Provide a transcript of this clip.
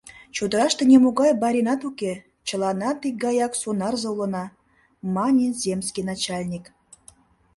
— Чодыраште нимогай баринат уке, чыланат икгаяк сонарзе улына, — мане земский начальник.